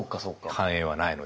繁栄はないので。